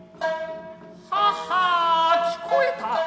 ハハア聞こえた。